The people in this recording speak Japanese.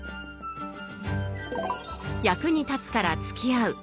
役に立つからつきあう